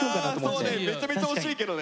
そうねめちゃめちゃ惜しいけどね。